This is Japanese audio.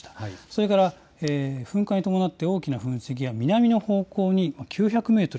それから噴火に伴って大きな噴石が南の方向に９００メートル